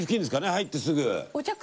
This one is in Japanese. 入ってすぐ。